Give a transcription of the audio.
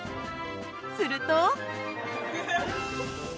すると。